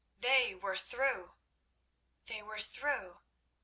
They were through! they were through!